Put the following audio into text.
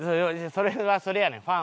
それはそれやねん。